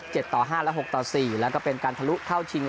ต่อห้าและหกต่อสี่แล้วก็เป็นการทะลุเข้าชิง